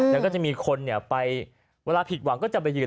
แล้วก็จะมีคนไปเวลาผิดหวังก็จะไปยืน